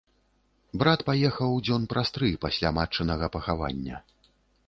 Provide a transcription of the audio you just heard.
Брат паехаў дзён праз тры пасля матчынага пахавання.